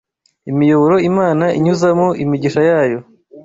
imiyoboro Imana inyuzamo imigisha yayo